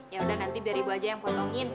yaudah nanti biar ibu aja yang potongin